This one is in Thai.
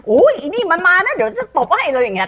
ไอ้นี่มันมานะเดี๋ยวจะตบให้เราอย่างนี้